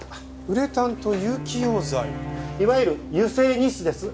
ウレタンと有機溶剤？いわゆる油性ニスです。